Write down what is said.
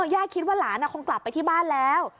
ย่าคิดว่าหลานคงกลับไปที่บ้านแล้ว